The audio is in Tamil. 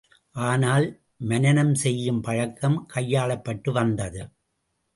ஆனால், மனனம் செய்யும் பழக்கம் கையாளப்பட்டு வந்தது.